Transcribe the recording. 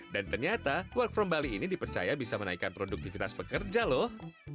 dan ternyata work from bali ini dipercaya bisa menaikkan produktivitas pekerja loh